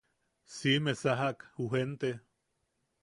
Siʼime sajak ju jente.